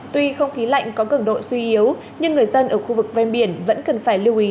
tuy không khí lạnh có cường độ suy yếu nhưng người dân ở khu vực ven biển vẫn cần phải lưu ý